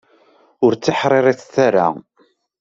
Ur tteḥṛiṛitet ara!